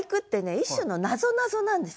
一種のなぞなぞなんですよ。